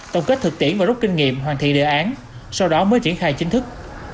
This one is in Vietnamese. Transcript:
tổng kết thực tiễn và rút kinh nghiệm hoàn thiện đề án sau đó mới triển khai chính thức